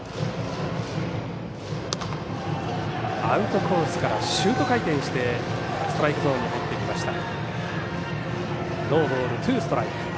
アウトコースからシュート回転してストライクゾーンに入ってきました。